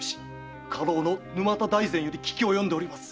家老の沼田大膳より聞き及んでおります。